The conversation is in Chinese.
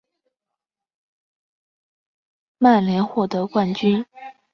曼联获得冠军。